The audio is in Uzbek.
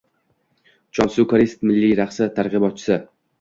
“Chonsu” – koreys milliy raqsi targ‘ibotchisi